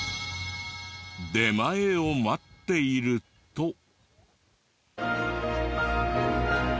出前を待っていると。